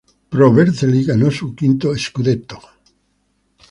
Pro Vercelli ganó su quinto "scudetto".